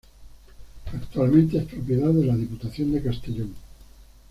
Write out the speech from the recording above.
Actualmente es propiedad de la Diputación de Castellón.